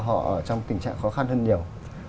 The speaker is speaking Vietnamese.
họ ở trong tình trạng khó khăn hơn nhiều